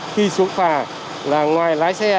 khi xuống phà là ngoài lái xe